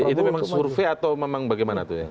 itu memang survei atau memang bagaimana tuh ya